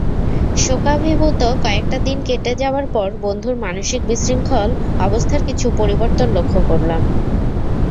শোকাভিভূত কয়েকটা দিন কেটে যাবার পর বন্ধুর মানসিক বিশৃঙ্খল অবস্থার কিছু পরিবর্তন লক্ষ করলাম।